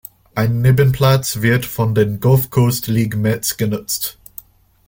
Ein Nebenplatz wird von den Gulf Coast League Mets genutzt.